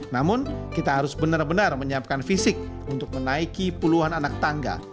namun kita harus benar benar menyiapkan fisik untuk menaiki puluhan anak tangga